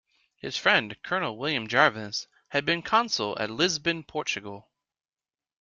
His friend, Colonel William Jarvis, had been consul at Lisbon, Portugal.